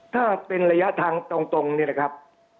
ถ้าเป็นระยะทางตรงนี่แหละครับ